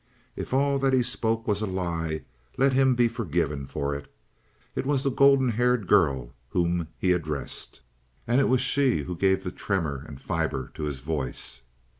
If all that he spoke was a lie, let him be forgiven for it; it was the golden haired girl whom he addressed, and it was she who gave the tremor and the fiber to his voice.